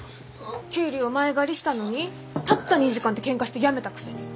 給料前借りしたのにたった２時間でケンカして辞めたくせに。